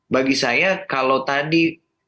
bagi saya kalau tadi